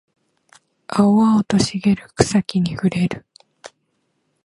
青々と茂る草木に触れる